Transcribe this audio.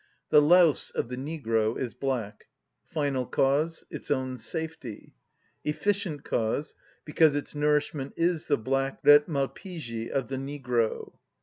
The louse of the negro is black. Final cause: its own safety. Efficient cause: because its nourishment is the black rete Malpighi of the negro.